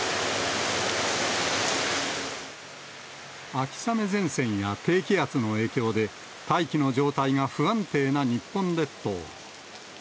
秋雨前線や低気圧の影響で、大気の状態が不安定な日本列島。